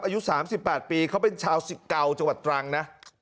อายุ๓๘ปีเขาเป็นชาวสิเกาจังหวัดตรังนะ